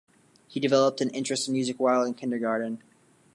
He developed an interest in music while in kindergarten.